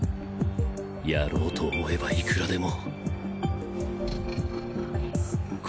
やろうと思えばいくらでも